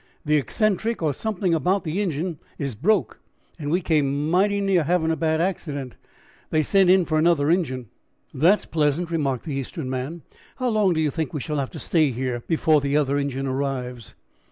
"The eccentric, or something about the engine, is broke, and we came mighty near having a bad accident. They've sent on for another engine." "That's pleasant," remarked the Eastern man. "How long do you think we shall have to stay here before the other engine arrives?"